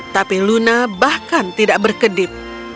tapi luna bahkan tidak berkedip